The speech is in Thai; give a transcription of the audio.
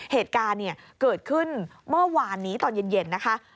เหตุการณ์เกิดขึ้นเมื่อวานนี้ตอนเย็นนะคะ